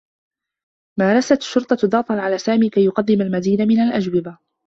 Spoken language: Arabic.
مارست الشرطة ضغطا على سامي كي يقدّم المزيد من الاجوبة.